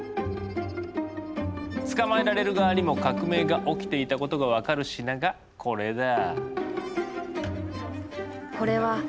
捕まえられる側にも革命が起きていたことが分かる品がこれだ！